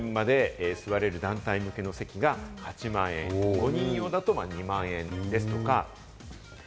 ２２人まで座れる団体向けの席が８万円、５人用だと２万円ですとか。